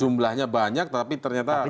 jumlahnya banyak tapi ternyata